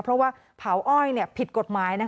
เพราะว่าเผาอ้อยผิดกฎหมาย